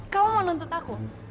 kamu mau nuntut aku